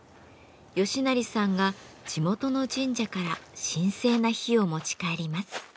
勝功さんが地元の神社から神聖な火を持ち帰ります。